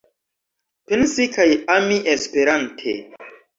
Pensi kaj ami esperante.